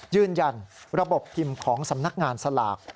ยืนยันระบบพิมพ์ของสำนักงานสลาก